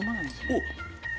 おっ！